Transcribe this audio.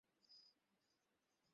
আমাকে নিয়ে তার তেমন কোনো অনুভূতি নেই।